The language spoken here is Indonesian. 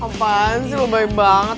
apaan sih lo baik banget